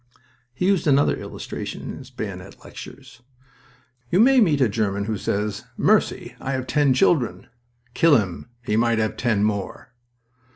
He used another illustration in his bayonet lectures. "You may meet a German who says, 'Mercy! I have ten children.'... Kill him! He might have ten more."